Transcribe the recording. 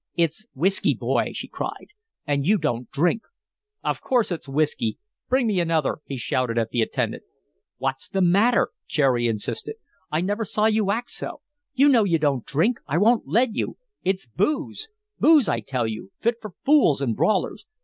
"It's whiskey, boy," she cried, "and you don't drink." "Of course it's whiskey. Bring me another," he shouted at the attendant. "What's the matter?" Cherry insisted. "I never saw you act so. You know you don't drink. I won't let you. It's booze booze, I tell you, fit for fools and brawlers.